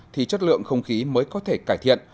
thì chất lượng không khí mới có thể cải thiện